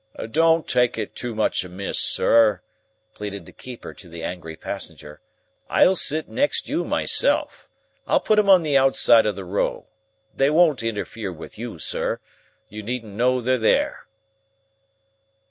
"Don't take it so much amiss, sir," pleaded the keeper to the angry passenger; "I'll sit next you myself. I'll put 'em on the outside of the row. They won't interfere with you, sir. You needn't know they're there."